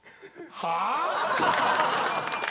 はあ！？